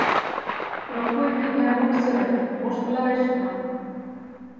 Прокой тидлан ок сыре, воштылалеш гына.